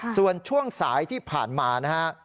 ส่วนช่วงสายที่ผ่านมานะฮะ